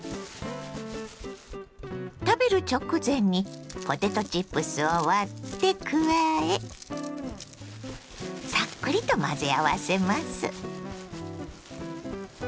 食べる直前にポテトチップスを割って加えサックリと混ぜ合わせます。